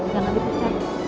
jangan di pecat